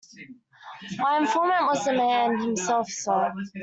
My informant was the man himself, sir.